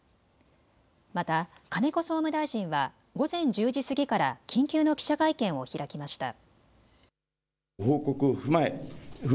また金子総務大臣は午前１０時過ぎから緊急の記者会見を開きました。